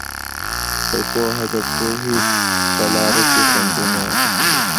پوهه د پوهې په لاره کې خنډونه ختموي.